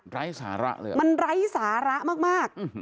ไร้สาระเลยมันไร้สาระมาก